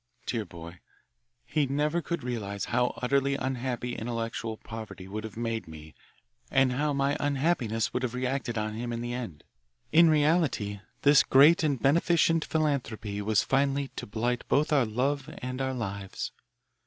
Dear boy, he never could realise how utterly unhappy intellectual poverty would have made me and how my unhappiness would have reacted on him in the end. In reality this great and beneficent philanthropy was finally to blight both our love and our lives.